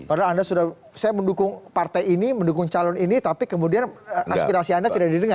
karena anda sudah saya mendukung partai ini mendukung calon ini tapi kemudian aspirasi anda tidak didengar